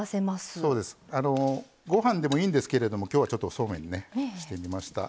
そうですご飯でもいいんですけれどもきょうはそうめんにしてみました。